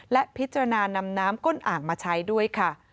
และพิจารณานำน้ำก้นอ่างมาใช้ด้วยค่ะ